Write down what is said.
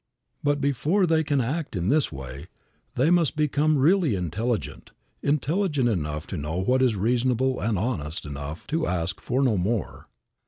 But, before they can act in this way, they must become really intelligent, intelligent enough to know what is reasonable and honest enough to ask for no more.